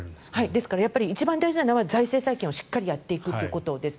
ですから、一番大事なのは財政再建をしっかりやっていくということです。